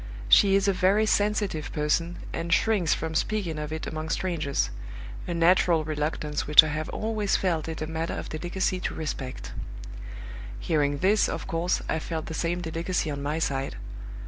She is a very sensitive person, and shrinks from speaking of it among strangers a natural reluctance which I have always felt it a matter of delicacy to respect.' Hearing this, of course, I felt the same delicacy on my side.